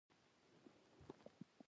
ورور سره د ژوند اوږده لار شریکه وي.